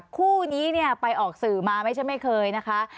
คู่นี้เนี่ยไปออกสื่อมาไม่ใช่ไม่เคยนะคะ